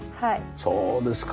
そうですか。